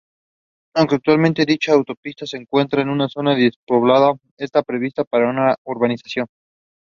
Schiller succeeds in imprinting his own signature on the mythical material.